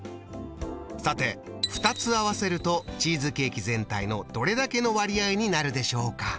さて２つ合わせるとチーズケーキ全体のどれだけの割合になるでしょうか？